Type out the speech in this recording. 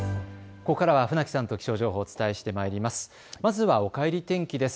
ここからは船木さんと気象情報をお伝えしてまいります。